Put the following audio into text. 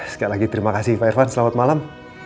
sekali lagi terima kasih pak irvan selamat malam